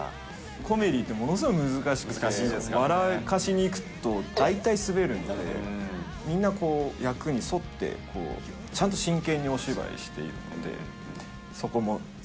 コメディーってものすごく難しくて、笑かしにいくと大体滑るので、みんな役に沿って、ちゃんと真剣にお芝居しているので。